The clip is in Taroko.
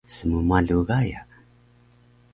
Smmalu Gaya